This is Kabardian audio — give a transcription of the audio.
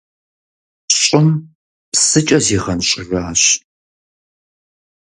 ЩӀым псыкӀэ зигъэнщӀыжащ.